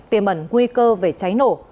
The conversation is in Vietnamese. tiềm ẩn nguy cơ về cháy nổ